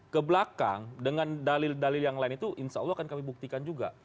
ke belakang dengan dalil dalil yang lain itu insya allah akan kami buktikan juga